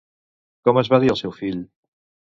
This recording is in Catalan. Com es va dir el seu fill?